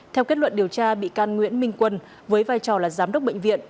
theo kết luận điều tra bị can nguyễn minh quân với vai trò là giám đốc bệnh viện